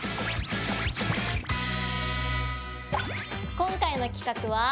今回の企画は？